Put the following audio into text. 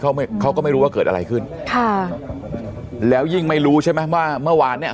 เขาไม่เขาก็ไม่รู้ว่าเกิดอะไรขึ้นค่ะแล้วยิ่งไม่รู้ใช่ไหมว่าเมื่อวานเนี้ย